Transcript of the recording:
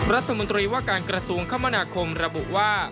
รัฐมนตรีว่าการกระทรวงคมนาคมระบุว่า